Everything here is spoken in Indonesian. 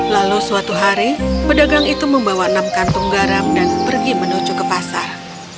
lalu suatu hari pedagang itu membawa enam kantung garam dan pergi menuju ke pasar